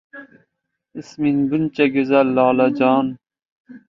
«...ayrim axborot manbalari davlat mardikorlarga ham soliq solmoqchi, deb jar soldi», – dedi u.